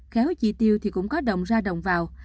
khéo chỉ tiêu thì cũng có đồng ra đồng vào